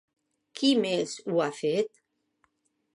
Qui més ho ha fet?